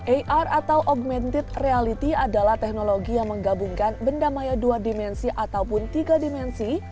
ar atau augmented reality adalah teknologi yang menggabungkan benda maya dua dimensi ataupun tiga dimensi